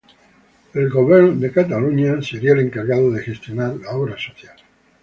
El Govern de Catalunya sería el encargado de gestionar la obra social.